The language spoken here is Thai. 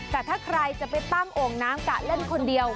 แต่ถ้าใครจะไปตั้งโอ่งน้ำกะเล่นคนเดียว